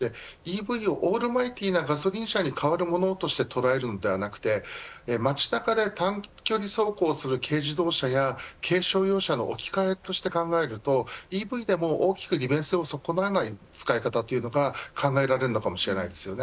ＥＶを、オールマイティーなガソリン車に代わるものと捉えるのではなく街乗りで短距離走行する軽自動車や軽商用車の置き換えと考えるとＥＶでも大きく利便性を損なわない使い方が考えられるのかもしれません。